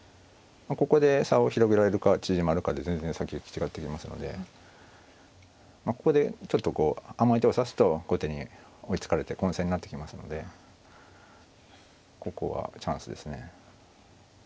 ここで差を広げられるか縮まるかで全然先行き違ってきますのでここでちょっとこう甘い手を指すと後手に追いつかれて混戦になってきますのでここはチャンスですね。